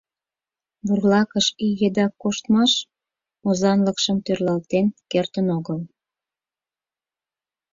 Бурлакыш ий еда коштмаш озанлыкшым тӧрлатен кертын огыл.